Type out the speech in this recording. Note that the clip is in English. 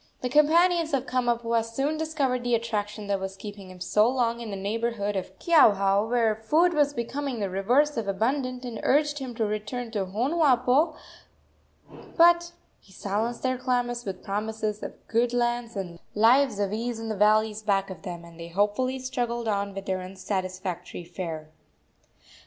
The companions of Kamapuaa soon discovered the attraction that was keeping him so long in the neighborhood of Keauhou, where food was becoming the reverse of abundant, and urged him to return to Honuapo; but he silenced their clamors with promises of good lands and lives of ease in the valleys back of them, and they hopefully struggled on with their unsatisfactory fare.